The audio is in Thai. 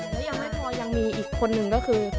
แล้วยังไม่พอยังมีอีกคนนึงก็คือ